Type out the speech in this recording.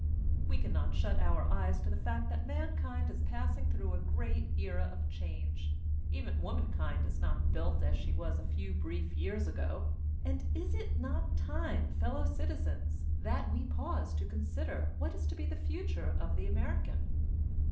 We can not shut our eyes to the fact that mankind is passing through a great era of change; even womankind is not built as she was a few brief years ago. And is it not time, fellow citizens, that we pause to consider what is to be the future of the American?